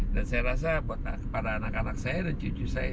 dan saya rasa buat kepada anak anak saya dan cucu saya